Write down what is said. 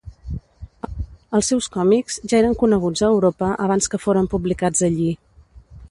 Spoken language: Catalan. Els seus còmics ja eren coneguts a Europa abans que foren publicats allí.